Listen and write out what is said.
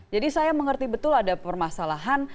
jadi saya mengerti betul ada permasalahan